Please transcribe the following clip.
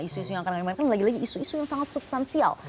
isu isu yang akan dimainkan lagi lagi isu isu yang sangat substansial